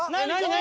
何？